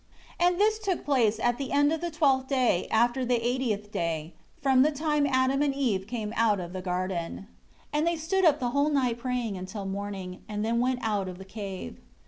18 And this took place at the end of the twelfth day after the eightieth day, from the time Adam and Eve came out of the garden. 19 And they stood up the whole night praying until morning; and then went out of the cave.